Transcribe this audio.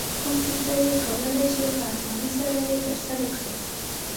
کوم چې ته یې کولای شې په اسانۍ سره یې ترسره کړې.